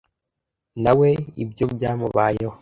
na we ibyo byamubayeho